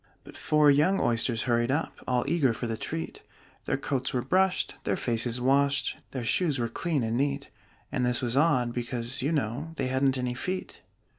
But four young Oysters hurried up, All eager for the treat: Their coats were brushed, their faces washed, Their shoes were clean and neat And this was odd, because, you know, They hadn't any feet.